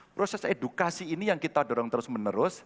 proses edukasi ini yang kita dorong terus menerus